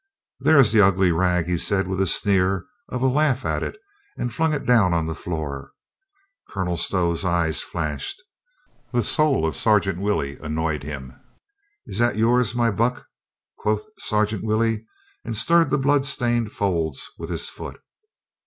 "There is the ugly rag," said he with a sneer of a laugh at it and flung it down on the floor. Colonel Stow's eyes flashed. The soul of i84 COLONEL GREATHEART Sergeant Willey annoyed him. "Is that yours, my buck ?" quoth Sergeant Willey and stirred the blood stained folds with his foot.